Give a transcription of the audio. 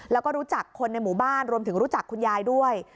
แล้วก็รู้จักคนในหมู่บ้านรวมถึงรู้จักคุณยายด้วย